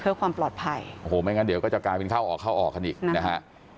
เพื่อความปลอดภัยโอ้โหไม่งั้นเดี๋ยวก็จะกลายเป็นเข้าออกเข้าออกกันอีกนะฮะ